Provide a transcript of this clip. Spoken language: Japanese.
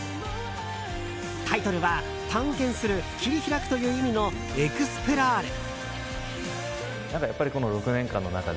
タイトルは探検する、切り開くという意味の「ＥＸＰＬＯＲＥ」。